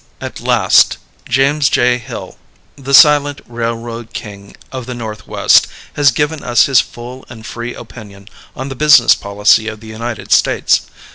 At last James J. Hill the silent railroad king of the Northwest, has given us his full and free opinion on the business policy of the United States.